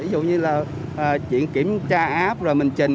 ví dụ như là chuyện kiểm tra app rồi mình trình